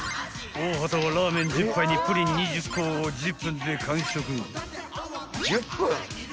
［大畑はラーメン１０杯にプリン２０個を１０分で完食］